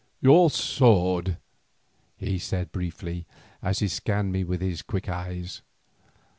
"Your sword," he said briefly, as he scanned me with his quick eyes.